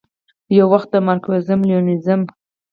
یووخت د مارکسیزم، لیننزم،